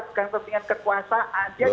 bukan kepentingan negara bukan kepentingan kekuasaan